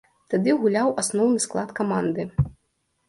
Тады гуляў асноўны склад каманды.